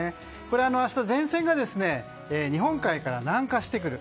明日、前線が日本海から南下してくる。